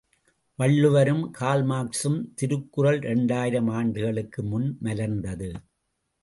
வள்ளுவரும் கார்ல்மார்க்சும் திருக்குறள் இரண்டாயிரம் ஆண்டுகளுக்கு முன் மலர்ந்தது.